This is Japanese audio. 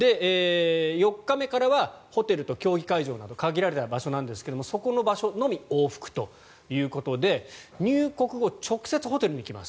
４日目からはホテルと競技会場など限られた場所ですがそこの場所のみ往復ということで入国後、直接ホテルに来ます。